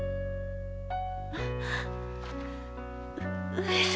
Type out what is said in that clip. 上様！